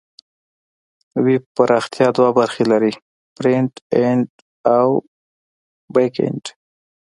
ویب پراختیا دوه برخې لري: فرنټ اینډ او بیک اینډ.